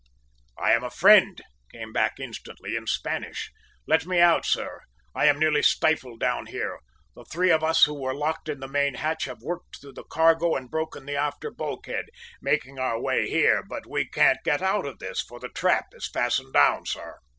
"`I am a friend!' came back instantly in Spanish. `Let me out, sir; I am nearly stifled down here. The three of us who were locked in the main hatch have worked through the cargo and broken the after bulkhead, making our way here, but we can't get out of this, for the trap is fastened down, sir!'